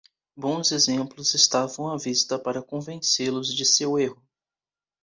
Bons exemplos estavam à vista para convencê-los de seu erro.